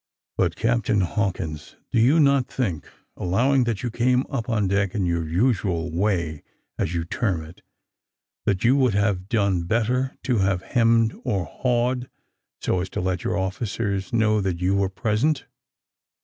"But, Captain Hawkins, do you not think, allowing that you came up on deck in your usual way, as you term it, that you would have done better, to have hemmed or hawed, so as to let your officers know that you were present?